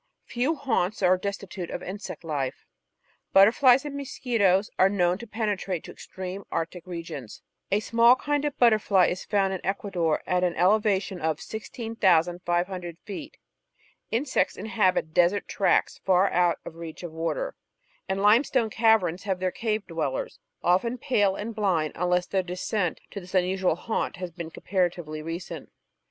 Few haunts are destitute of insect life. Butterflies and mosquitoes are known to penetrate to extreme Arctic regions ; a small kind of butterfly is found in Ecuador at an elevation of 16,500 feet; insects inhabit desert tracts far out of reach of water ; and limestone caverns have their cave dwellers, often pale and blind unless their descent to this unusual haunt has been comparatively recent.